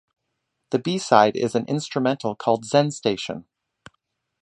The B-side is an instrumental called "Zenstation".